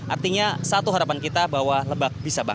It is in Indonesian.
artinya satu harapan kita bahwa lebak bisa bangki